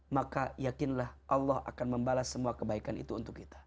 maka yakinlah allah akan membalas semua kebaikan itu untuk kita